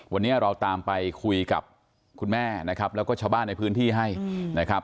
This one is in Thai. วันนี้เราตามไปคุยกับคุณแม่นะครับแล้วก็ชาวบ้านในพื้นที่ให้นะครับ